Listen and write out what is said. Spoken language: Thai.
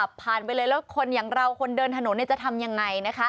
ผ่านไปเลยแล้วคนอย่างเราคนเดินถนนจะทำยังไงนะคะ